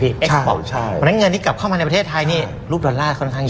เพราะฉะนั้นเงินที่กลับเข้ามาในประเทศไทยนี่รูปดอลลาร์ค่อนข้างเยอะ